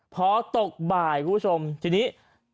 พอตกบ่ายคุณผู้ชมทีนี้